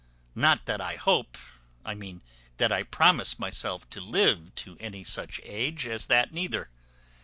Not that I hope, I mean that I promise myself, to live to any such age as that, neither.